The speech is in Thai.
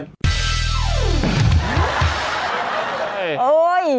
โอ้ย